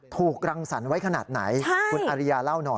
ถูกรังสรรค์ไว้ขนาดไหนคุณอาริยาเล่าหน่อย